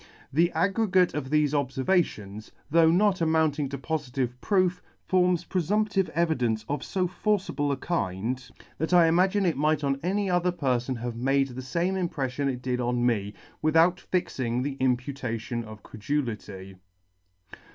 The aggregate of thefe obfervations, though not amounting to pofitive proof, forms preemptive evidence of fo forcible a kind, that I imagine it might on any other perfon have made the fame impreffion it did on me, without fixing the imputation of credulity'.